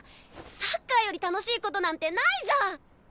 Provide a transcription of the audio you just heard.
サッカーより楽しい事なんてないじゃん！